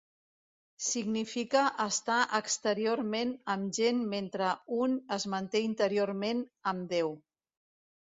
Significa estar exteriorment amb gent mentre un es manté interiorment amb Déu.